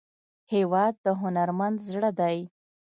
هېواد د هنرمند زړه دی.